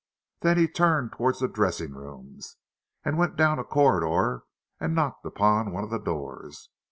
Then he turned toward the dressing rooms, and went down a corridor, and knocked upon one of the doors.